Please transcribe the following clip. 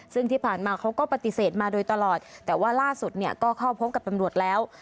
ซึ่งที่ผ่านมาเขาก็ปฏิเสธมาโดยตลอดแต่ว่าล่าสุดเนี่ยก็เข้าพบกับตำรวจแล้ว